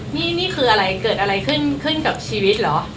นี่คืออะไรเกิดอะไรขึ้นขึ้นกับชีวิตเหรอ